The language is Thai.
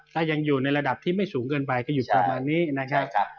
ถ้ายังอยู่ในระดับที่ไม่สูงเกินไปก็อยู่ประมาณนี้นะครับ